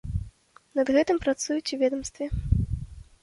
Над гэтым працуюць у ведамстве.